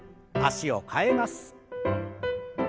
脚を替えます。